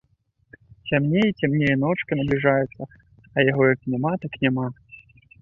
Цямнее і цямнее, ночка набліжаецца, а яго як няма, так няма!